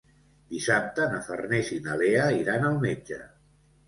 Dissabte na Farners i na Lea iran al metge.